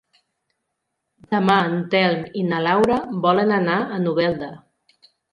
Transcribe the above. Demà en Telm i na Laura volen anar a Novelda.